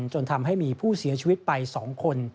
จนทำให้มีผู้เสียชีวิตไป๒คน